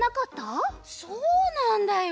そうなんだよ。